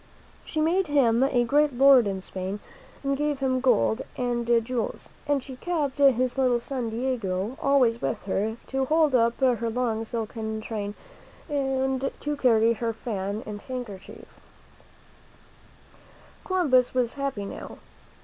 She made him a great lord in Spain jT.;,:; 23 THE MEN WHO FOUND AMERICA K¥»I and gave him gold and jewels; and she kept his little son Diego always with her, to hold up her long silken train and to carry her fan and handkerchief. Columbus was happy now.